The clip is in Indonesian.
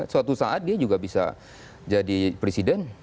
suatu saat dia juga bisa jadi presiden